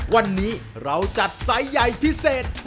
วันนี้เราจัดไซส์ใหญ่พิเศษ